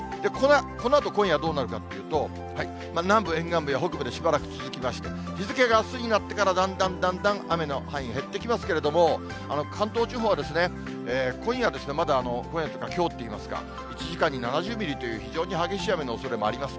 このあと、今夜どうなるかというと、南部、沿岸部や北部でしばらく続きまして、日付があすになってから、だんだんだんだん雨の範囲、減ってきますけれども、関東地方は今夜、まだ今夜というか、きょうっていいますか、１時間に７０ミリという非常に激しい雨のおそれもあります。